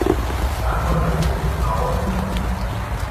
Darf man beim Beten rauchen?